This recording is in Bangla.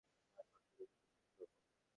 আর প্রত্যেকের জন্য শপিং করবো।